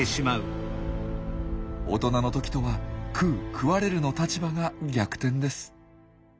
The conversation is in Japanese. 大人の時とは食う食われるの立場が逆転です。